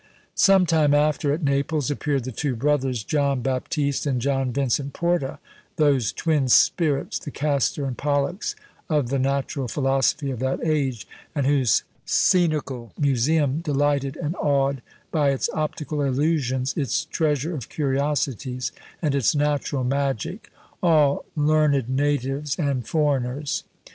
Some time after, at Naples, appeared the two brothers, John Baptiste and John Vincent Porta, those twin spirits, the Castor and Pollux of the natural philosophy of that age, and whose scenical museum delighted and awed, by its optical illusions, its treasure of curiosities, and its natural magic, all learned natives and foreigners.